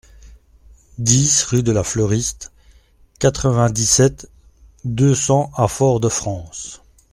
dix rue de la Fleuriste, quatre-vingt-dix-sept, deux cents à Fort-de-France